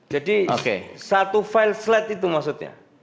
jadi satu file slide itu maksudnya